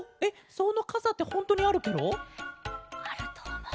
そのかさってほんとうにあるケロ？あるとおもう。